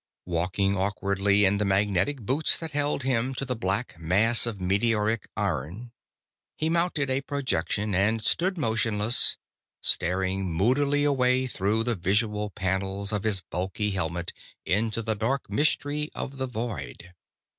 Walking awkwardly in the magnetic boots that held him to the black mass of meteoric iron, he mounted a projection and stood motionless, staring moodily away through the vision panels of his bulky helmet into the dark mystery of the void.